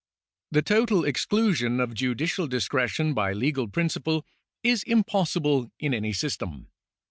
The total exclusion of judicial discretion by legal principle is impossible in any system.